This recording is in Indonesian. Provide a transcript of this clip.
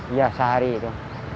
iya sehari itu